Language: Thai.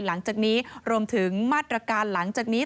หลังจากนี้รวมถึงมาตรการหลังจากนี้